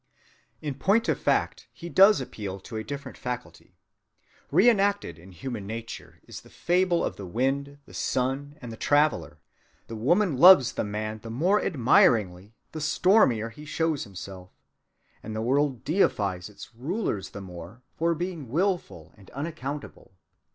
In point of fact, he does appeal to a different faculty. Reënacted in human nature is the fable of the wind, the sun, and the traveler. The sexes embody the discrepancy. The woman loves the man the more admiringly the stormier he shows himself, and the world deifies its rulers the more for being willful and unaccountable.